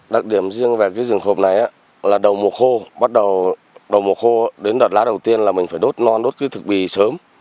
đặc điểm riêng về cái rừng khộp này là đầu mùa khô bắt đầu đầu mùa khô đến đợt lá đầu tiên là mình phải đốt non đốt cái thực bì sớm